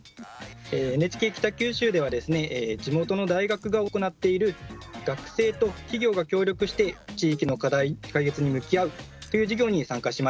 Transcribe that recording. ＮＨＫ北九州では地元の大学が行っている学生と企業が協力して地域の課題解決に向き合うという授業に参加しました。